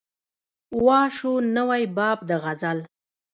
وا شو نوی باب د غزل